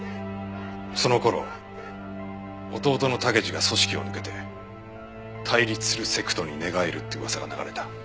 その頃弟の武二が組織を抜けて対立するセクトに寝返るって噂が流れた。